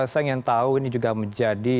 saya ingin tahu ini juga menjadi